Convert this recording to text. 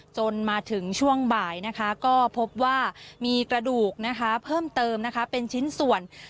จนมาถึงช่วงบ่ายนะคะก็พบว่ามีกระดูกนะคะเพิ่มเติมนะคะเป็นชิ้นส่วน